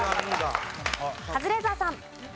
カズレーザーさん。